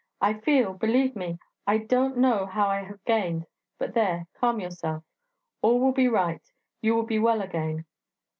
'I feel, believe me, I don't know how I have gained ... but there, calm yourself... All will be right; you will be well again.'